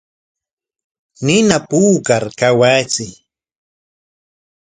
Nina puukar kawachiy.